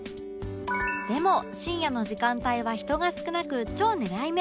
でも深夜の時間帯は人が少なく超狙い目！